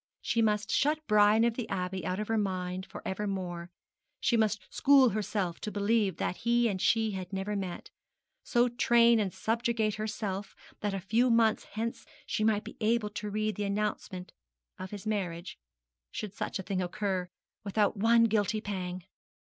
She must shut Brian of the Abbey out of her mind for evermore; she must school herself to believe that he and she had never met; so train and subjugate herself that a few months hence she might be able to read the announcement of his marriage should such a thing occur without one guilty pang.